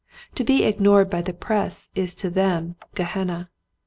To be ignored by the press is to them gehenna.